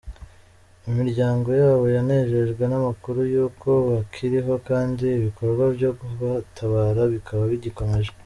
Imiryango yabo yanejejwe n’amakuru y’uko bakiriho kandi ibikorwa byo kubatabara bikaba bigikomeje.